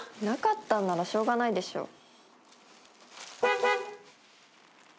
なかったんならしょうがないでしょ。